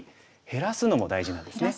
減らすのも大事ですか。